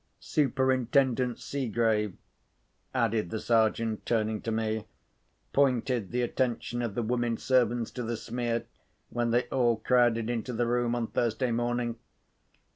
Superintendent Seegrave," added the Sergeant, turning to me, "pointed the attention of the women servants to the smear, when they all crowded into the room on Thursday morning.